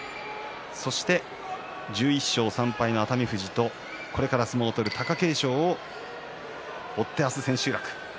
そして１１勝３敗の熱海富士とこれから相撲を取る貴景勝を追って、明日、千秋楽。